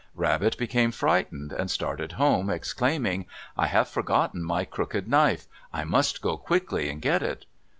Rabbit became frightened, and started home, exclaiming, "I have forgotten my crooked knife! I must go quickly and get it."